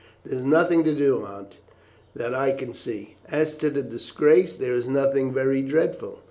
"There is nothing to do, Aunt, that I can see. As to the disgrace, that is nothing very dreadful.